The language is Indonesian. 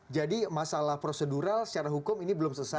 jadi masalah prosedural secara hukum ini belum selesai